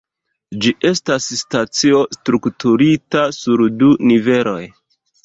Ĝi estas stacio strukturita sur du niveloj.